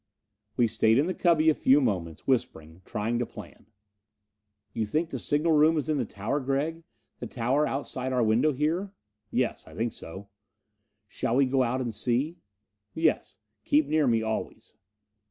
We stayed in the cubby a few moments, whispering trying to plan. "You think the signal room is in the tower, Gregg? This tower outside our window here?" "Yes, I think so." "Shall we go out and see?" "Yes. Keep near me always."